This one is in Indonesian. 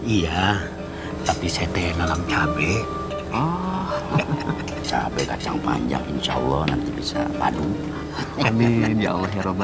iya tapi setelah cabai cabai kacang panjang insyaallah nanti bisa padu amin ya allah ya